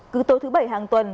cứ tối thứ bảy hàng tuần